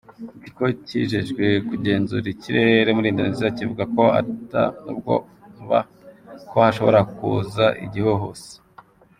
Ikigo kijejwe kugenzura ikirere muri Indonesia kivuga ko ata bwoba ko hashobora kuza igihuhusi.